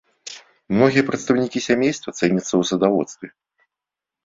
Многія прадстаўнікі сямейства цэняцца ў садаводстве.